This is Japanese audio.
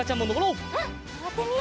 うんのぼってみよう。